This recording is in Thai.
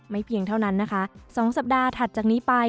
เพียงเท่านั้นนะคะ๒สัปดาห์ถัดจากนี้ไป